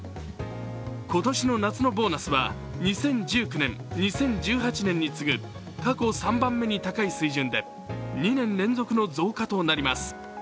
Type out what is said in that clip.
今年の夏のボーナスは２０１９年、２０１８年に次ぐ過去３番目に高い水準で２年連続の増加となります。